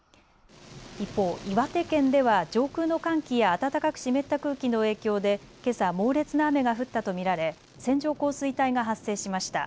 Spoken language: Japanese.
一方、岩手県では上空の寒気や暖かく湿った空気の影響でけさ猛烈な雨が降ったと見られ線状降水帯が発生しました。